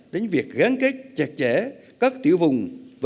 đến việc gán kết chặt chẽ các tiểu vùng